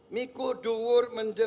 mikul duwur mendem jeruk